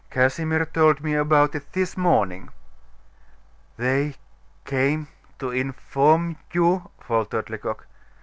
"Casimir told me about it this morning." "They came to inform you " faltered Lecoq.